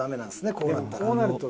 こうなったら。